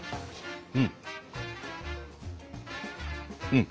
うん！